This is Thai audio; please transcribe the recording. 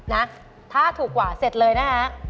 นะถ้าถูกกว่าเสร็จเลยนะฮะ